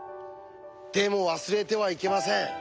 でも忘れてはいけません。